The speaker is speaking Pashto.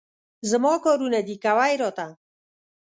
زما کارونه دي، کوه یې راته.